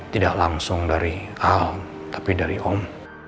tidak langsung dari a tapi dari om